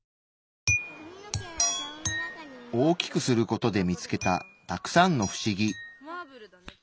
大きくする事で見つけたたくさんのフシギ。